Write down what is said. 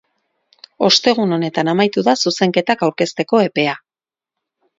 Ostegun honetan amaitu da zuzenketak aurkezteko epea.